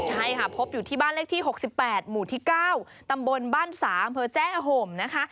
ใช่ค่ะพบอยู่ที่บ้านเลขที่๖๘หมู่ที่๙ตำบลบ้านสาอำเภอแจ้ห่มนะคะ